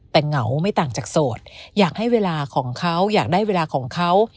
แต่เหงาไม่ต่างจากโสดอยากให้เวลาของเขาอยากได้เวลาของเขา